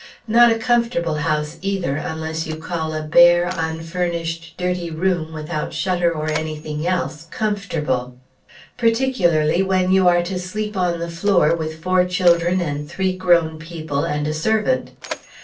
Not a comfortable house, either, unless you call a bare, unfurnished, dirty room without shutter or anything else, comfortable; particularly when you are to sleep on the floor with four children and three grown people, and a servant.